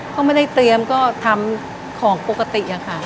เขาไม่ได้เตรียมก็ทำของปกติอะค่ะ